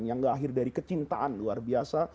yang lahir dari kecintaan luar biasa